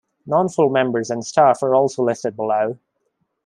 Non-full members and staff are also listed below.